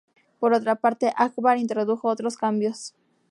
Por otra parte, Akbar introdujo otros cambios.